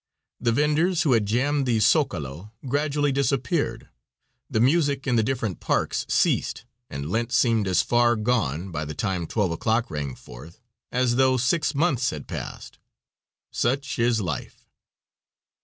The venders who had jammed the Zocalo gradually disappeared; the music in the different parks ceased, and Lent seemed as far gone, by the time 12 o'clock rang forth, as though six months had passed. Such is life.